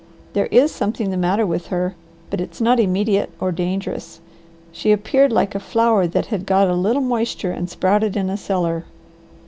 There is something the matter with her, but it's not immediate or dangerous. She appeared like a flower that had got a little moisture and sprouted in a cellar."